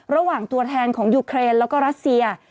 ระหว่างตัวแทนของยูเครนแล้วก็รัสเซีย